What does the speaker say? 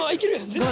全然。